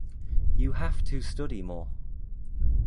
You have to study more.